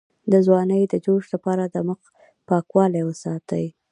د ځوانۍ د جوش لپاره د مخ پاکوالی وساتئ